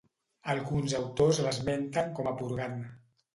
Alguns autors l'esmenten com a purgant.